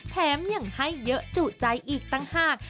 แท้มอย่างให้เยอะจูบใจอีกต่างฮะ